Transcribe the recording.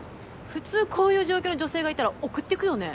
普通こういう状況に女性がいたら送ってくよね？